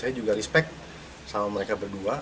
saya juga respect sama mereka berdua